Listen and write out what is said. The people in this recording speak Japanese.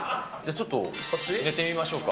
ちょっと寝てみましょうか。